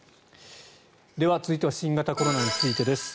では、続いては新型コロナについてです。